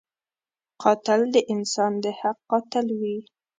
قاتل د انسان د حق قاتل وي